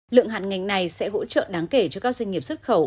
lượng hạn ngành này sẽ hỗ trợ đáng kể cho các doanh nghiệp xuất khẩu